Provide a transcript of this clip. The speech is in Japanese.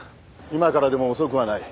今からでも遅くはない。